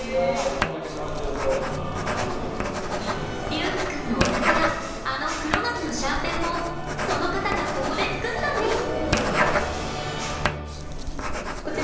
りゅうきくんのお宝あの「黒柿のシャーペン」もその方がここで作ったんです！